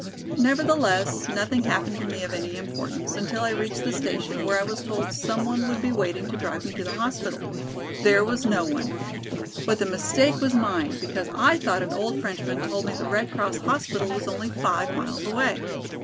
Nevertheless nothing happened to me of any importance until I reached the station where I was told some one would be waiting to drive me to the hospital. There was no one. But the mistake was mine, because I thought an old Frenchman told me the Red Cross hospital was only five miles away.